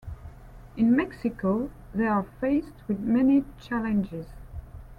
In Mexico, they are faced with many challenges.